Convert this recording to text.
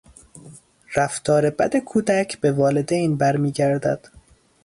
رفتار بد کودک به والدین بر میگردد.